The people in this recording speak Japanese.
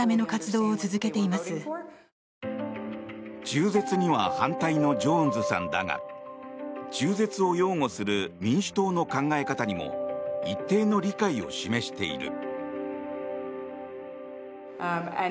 中絶には反対のジョーンズさんだが中絶を擁護する民主党の考え方にも一定の理解を示している。